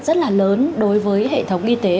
rất là lớn đối với hệ thống y tế